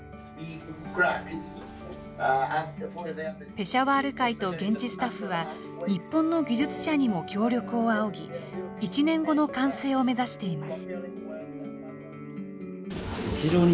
ペシャワール会と現地スタッフは、日本の技術者にも協力を仰ぎ、１年後の完成を目指しています。